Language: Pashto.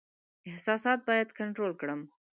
احساسات باید کنټرول کړم.